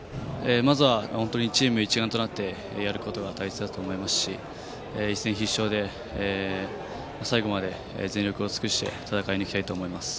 まずチーム一丸となってやることが大切だと思いますし、一戦必勝で最後まで全力を尽くして戦い抜きたいと思います。